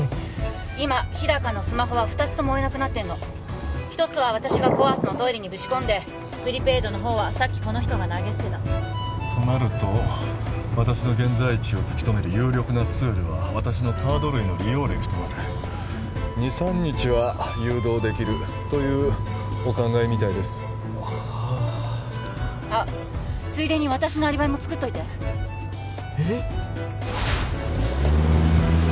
今日高のスマホは二つとも追えなくなってんの一つは私がコ・アースのトイレにぶち込んでプリペイドのほうはさっきこの人が投げ捨てたとなると私の現在地を突き止める有力なツールは私のカード類の利用歴となる２３日は誘導できるというお考えみたいですはああっついでに私のアリバイもつくっといてえっ？